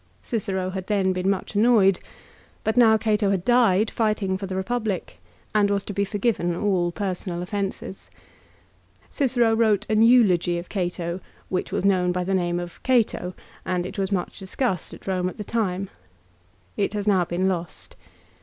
Cicero had then been much annoyed ; but now Cato had died, fighting for the Eepublic, and was to be forgiven all personal offences. Cicero wrote an eulogy of Cato which was known by the name of " Cato," and was much discussed at Home at the time. It has now been lost.